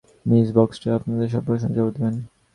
Miss Baxter আপনাদের সব প্রশ্নের জবাব দেবেন।